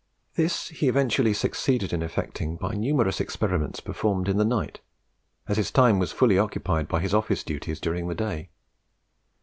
This he eventually succeeded in effecting by numerous experiments performed in the night; as his time was fully occupied by his office duties during the day.